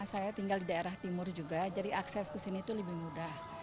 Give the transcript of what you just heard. saya tinggal di daerah timur juga jadi akses ke sini itu lebih mudah